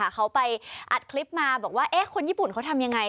เขาไปอัดคลิปมาบอกว่าคนญี่ปุ่นเขาทำยังไง